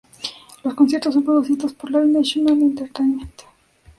Los conciertos son producidos por Live Nation Entertainment.